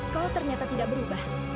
kau ternyata tidak berubah